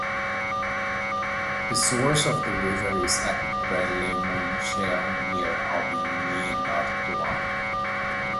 The source of the river is at Berles-Monchel near Aubigny-en-Artois.